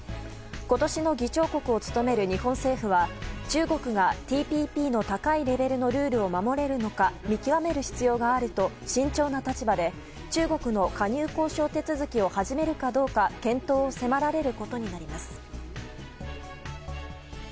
今年の議長国を務める日本政府は中国がＴＰＰの高いレベルのルールを守れるのか見極める必要があると慎重な立場で中国の加入交渉手続きを始めるかどうか検討を迫られることになります。